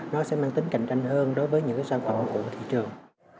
nó sẽ mang tính cạnh tranh hơn đối với những cái sản phẩm của thị trường